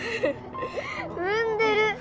踏んでる